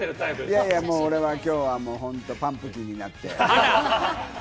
いやいや、俺はきょうは本当にパンプキンになって。